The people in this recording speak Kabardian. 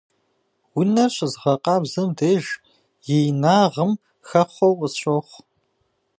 Унэр щызгъэкъабзэм деж и инагъым хэхъуэу къысщохъу.